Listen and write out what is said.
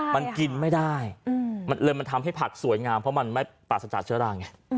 มันกินไม่ได้เลยมันทำให้ผักสวยงามเพราะมันไม่ปราศจากเชื้อราไง